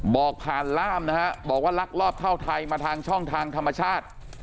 บอกผ่านล่ามนะฮะบอกว่าลักลอบเข้าไทยมาทางช่องทางธรรมชาติ